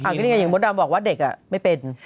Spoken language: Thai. ก็นี่ไงอย่างมดดำบอกว่าเด็กไม่เป็น